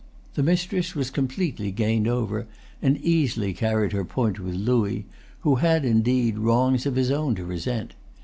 The mistress was completely gained over, and easily carried her point with Louis, who had, indeed, wrongs of his own to resent.